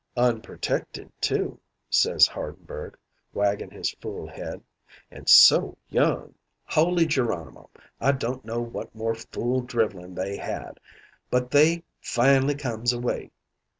"'Unprotected, too,' says Hardenberg, waggin' his fool head. 'An' so young!' "Holy Geronimo! I don't know what more fool drivelin' they had, but they fin'ly comes away.